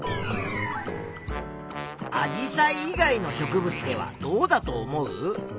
アジサイ以外の植物ではどうだと思う？